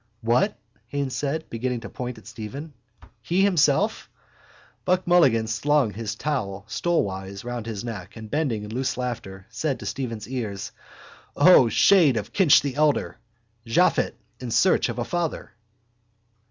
—What? Haines said, beginning to point at Stephen. He himself? Buck Mulligan slung his towel stolewise round his neck and, bending in loose laughter, said to Stephen's ear: —O, shade of Kinch the elder! Japhet in search of a father!